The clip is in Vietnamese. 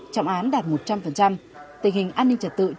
trọng án đạt một trăm linh